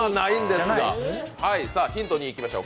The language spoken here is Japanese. ヒント２いきましょう。